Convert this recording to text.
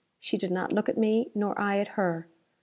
She did not look at me, nor I at her.